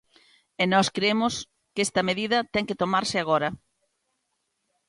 E nós cremos que esta medida ten que tomarse agora.